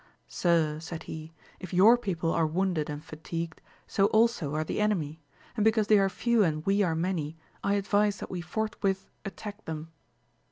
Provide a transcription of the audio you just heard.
Sir, said he, if your people are wounded and fatigued, so also are the enemy, and because they are few and we are many, I advise that we forthwith attack them.